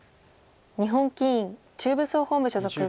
日本棋院中部総本部所属。